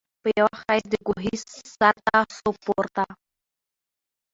په یوه خېز د کوهي سرته سو پورته